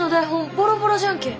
ボロボロじゃんけ。